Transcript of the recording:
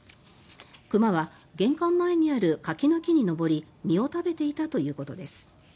熊は玄関前にある柿の木に登り身を食べていたということです。